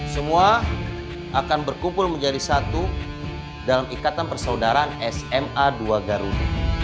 semua akan berkumpul menjadi satu dalam ikatan persaudaraan sma dua garuda